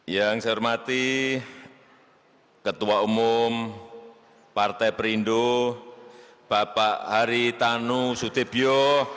yang saya hormati ketua umum partai perindo bapak haritanu sutibyo